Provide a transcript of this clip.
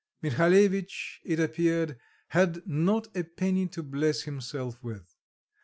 Mihalevitch, it appeared, had not a penny to bless himself with.